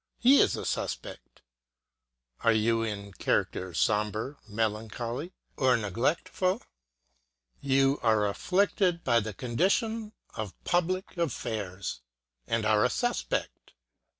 He is a suspect I Are you in character sombre, melancholy, or neglectful? LIVE FREE OR DIE 127 You are afflicted by the condition of public affairs, and are a suspect.